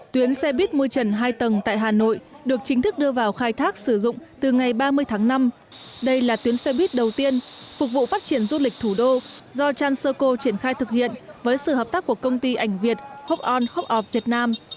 tuyến xe buýt môi trần hai tầng tại hà nội được chính thức đưa vào khai thác sử dụng từ ngày ba mươi tháng năm đây là tuyến xe buýt đầu tiên phục vụ phát triển du lịch thủ đô do transurco triển khai thực hiện với sự hợp tác của công ty ảnh việt hokorn hokort việt nam